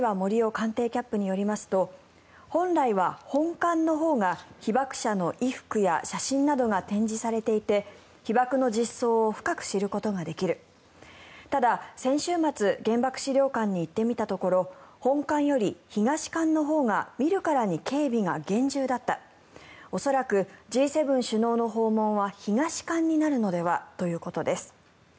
官邸キャップによりますと本来は、本館のほうが被爆者の衣服や写真などが展示されていて被爆の実相を深く知ることができるただ、先週末原爆資料館に行ってみたところ本館より東館のほうが見るからに警備が厳重だった恐らくＧ７首脳の訪問は東館になるのではということです。